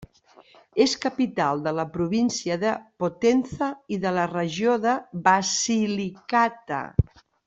És capital de la província de Potenza i de la regió de Basilicata.